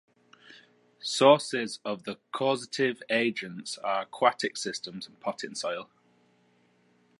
Sources of the causative agents are aquatic systems and potting soil.